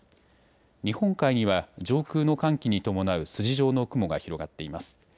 日本海には上空の寒気に伴う筋状の雲が広がっています。